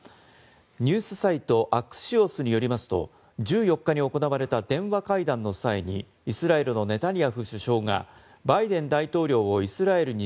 ニュースサイトアクシオスによりますと１４日に行われた電話会談の際にイスラエルのネタニヤフ首相がバイデン大統領をイスラエルに